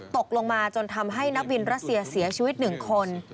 ตกลงมาจนทำให้นักบินรัสเซียเสียชีวิต๑คน